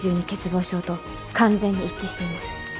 欠乏症と完全に一致しています。